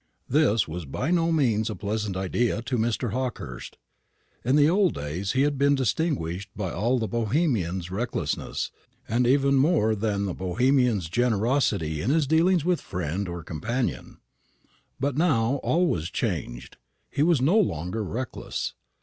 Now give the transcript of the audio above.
This was by no means a pleasant idea to Mr. Hawkehurst. In the old days he had been distinguished by all the Bohemian's recklessness, and even more than the Bohemian's generosity in his dealings with friend or companion. But now all was changed. He was no longer reckless.